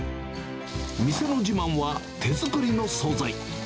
店の自慢は手作りの総菜。